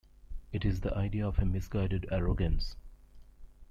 It is the idea of a misguided arrogance.